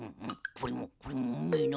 これもこれもうめえな。